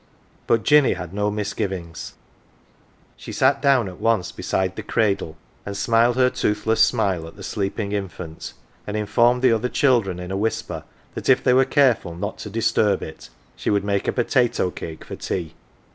1 But Jinny had no misgivings : she sat down at once beside the cradle, and smiled her toothless smile at the sleeping infant, and informed the other children in a whisper that if they were careful not to disturb it she would make a po tato cake for tea.